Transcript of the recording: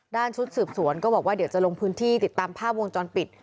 ชุดสืบสวนก็บอกว่าเดี๋ยวจะลงพื้นที่ติดตามภาพวงจรปิด